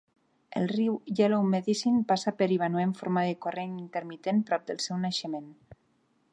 El riu Yellow Medicine passa per Ivanhoe en forma de corrent intermitent prop del seu naixement.